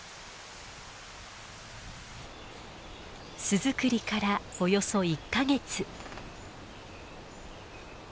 巣作りからおよそ１か月。